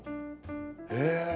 へえ。